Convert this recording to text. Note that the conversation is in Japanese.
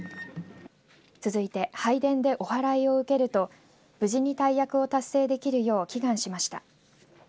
続いて、拝殿でお祓いを受けると無事に大役を達成できるよう祈願しました。